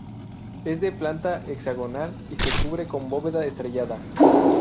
Es de planta hexagonal y se cubre con bóveda estrellada.